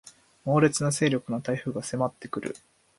猛烈な勢力の台風が迫ってくる